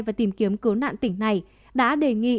và tìm kiếm cứu nạn tỉnh này đã đề nghị